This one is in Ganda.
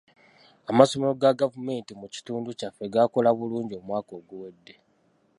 Amasomero ga gavumenti mu kitundu kyaffe gakola bulungi omwaka oguwedde.